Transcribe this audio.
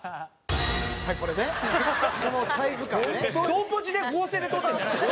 同ポジで合成で撮ってるんじゃないの？